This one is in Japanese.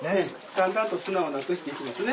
だんだんと砂をなくしていきますね。